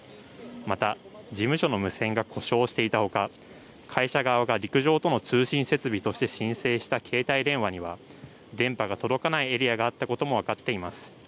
また事務所の無線が故障していたほか会社側が陸上との通信設備として申請した携帯電話には電波が届かないエリアがあったことも分かっています。